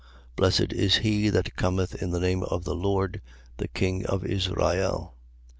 Blessed is he that cometh in the name of the Lord, the king of Israel. 12:14.